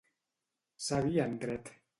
Savi en dret.